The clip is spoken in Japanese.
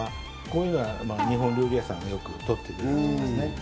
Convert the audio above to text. こういうのは日本料理屋さんがよく取ってくれるんですね